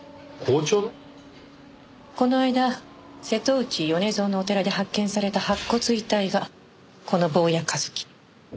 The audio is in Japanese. この間瀬戸内米蔵のお寺で発見された白骨遺体がこの坊谷一樹。